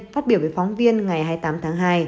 phát biểu với phóng viên ngày hai mươi tám tháng hai